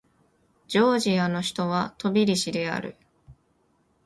ジョージアの首都はトビリシである